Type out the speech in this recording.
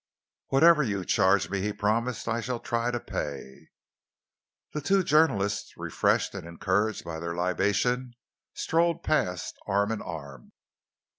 "Whatever you charge me," he promised, "I shall try to pay." The two journalists, refreshed and encouraged by their libation, strolled past arm in arm.